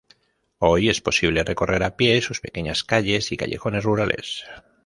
Hoy es posible recorrer a pie sus pequeñas calles y callejones rurales.